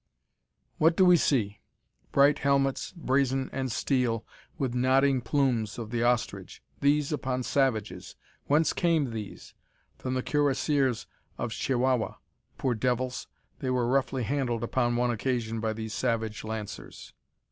What do we see? Bright helmets, brazen and steel, with nodding plumes of the ostrich! These upon savages! Whence came these? From the cuirassiers of Chihuahua. Poor devils! They were roughly handled upon one occasion by these savage lancers.